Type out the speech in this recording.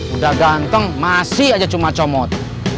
udah ganteng masih aja cuma comot